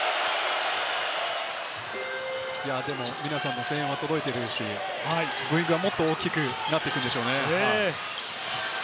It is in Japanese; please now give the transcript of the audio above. でも皆さんの声援は届いているし、ブーイングはもっと大きくなっていくんでしょうね。